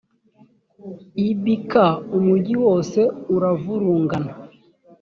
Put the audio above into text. ibk umugi wose uravurungana